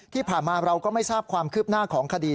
ที่ผ่านมาเราก็ไม่ทราบความคืบหน้าของคดี